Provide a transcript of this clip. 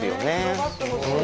広がってほしい。